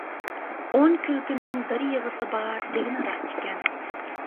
«ئون كۈلكىنىڭ بىر يىغىسى بار» دېگىنى راست ئىكەن.